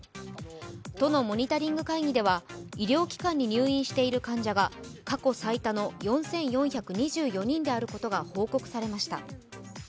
都のモニタリング会議では医療機関に入院している患者が過去最多の４４２４人であることが報告されました。